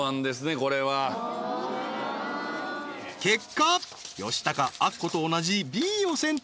これは結果吉高アッコと同じＢを選択